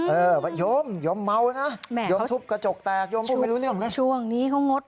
เออวะยอมยอมเมานะยอมทุบกระจกแตกช่วงนี้เขางด